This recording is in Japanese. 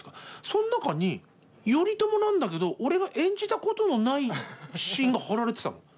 その中に頼朝なんだけど俺が演じたことのないシーンが貼られてたの。